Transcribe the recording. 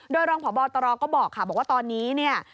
โดยรองพบตรก็บอกค่ะบอกว่าตอนนี้เนี่ย